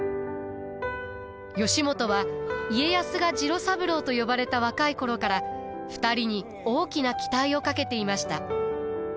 義元は家康が次郎三郎と呼ばれた若い頃から２人に大きな期待をかけていました。